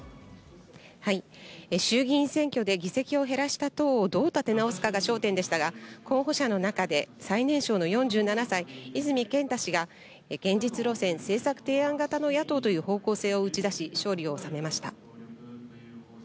衆議院選挙で議席を減らした党をどう立て直すかが焦点でしたが、候補者の中で最年少の４７歳、泉健太氏が、現実路線、政策提案型の野党という方向性を打ち出し、勝利を収めました。